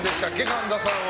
神田さんは。